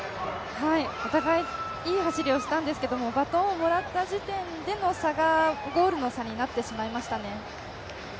お互いいい走りをしたんですけどバトンをもらった時点での差がゴールの差になってしまいましたね。